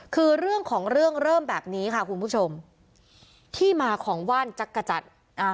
คือเรื่องของเรื่องเริ่มแบบนี้ค่ะคุณผู้ชมที่มาของว่านจักรจันทร์